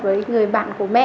với người bạn của mẹ